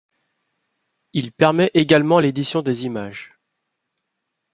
Il permet également l'édition des images.